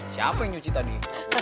siapa yang nyuci tadi